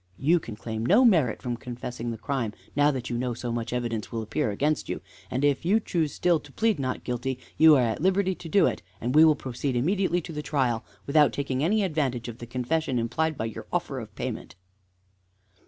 You can claim no merit from confessing the crime now that you know so much evidence will appear against you. And if you choose still to plead not guilty, you are at liberty to do it, and we will proceed immediately to the trial without taking any advantage of the confession implied by your offer of payment."